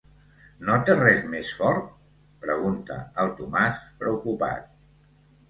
No té res més fort? –pregunta el Tomàs preocupat–.